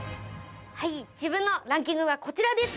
はい自分のランキングはこちらです。